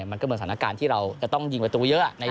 มันก็เหมือนสถานการณ์ที่เราจะต้องยิงประตูเยอะ